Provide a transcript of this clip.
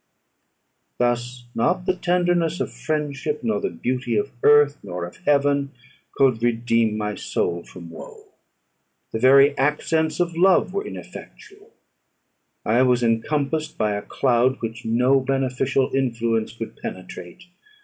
Thus not the tenderness of friendship, nor the beauty of earth, nor of heaven, could redeem my soul from woe: the very accents of love were ineffectual. I was encompassed by a cloud which no beneficial influence could penetrate.